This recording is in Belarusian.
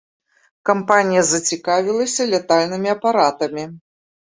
Кампанія зацікавілася лятальнымі апаратамі.